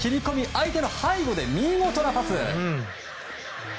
相手の背後で見事なパス！